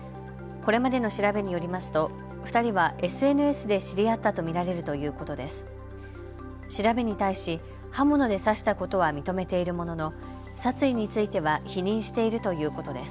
これまでの調べによりますと２人はＳＮＳで知り合ったと見られるということです。